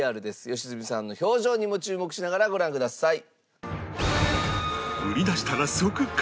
良純さんの表情にも注目しながらご覧ください。